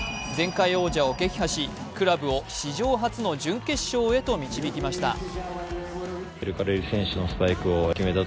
前回王者を撃破し、クラブを史上初の準決勝へと導きました。